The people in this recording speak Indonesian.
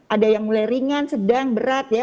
ada yang mulai ringan sedang berat ya